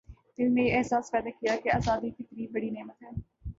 دل میں یہ احساس پیدا کیا کہ آزادی کتنی بڑی نعمت ہے